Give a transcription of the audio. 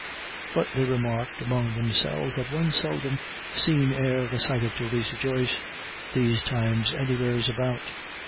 But they remarked among themselves that one seldom seen e'er a sight of Therasa Joyce these times anywheres about.